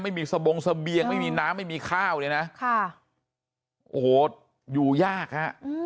ไม่มีสบงเสบียงไม่มีน้ำไม่มีข้าวเลยนะค่ะโอ้โหอยู่ยากฮะ